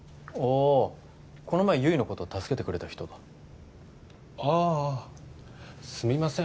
この前悠依のことを助けてくれた人だああすみません